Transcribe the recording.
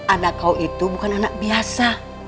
anak kau itu bukan anak biasa